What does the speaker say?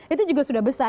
itu juga sudah besar